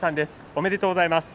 おめでとうございます。